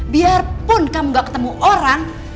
biarpun kamu gak ketemu orang